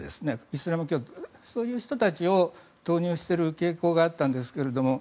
イスラム教徒とかそういう人たちを投入している傾向があったんですけど